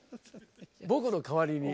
僕の代わりに。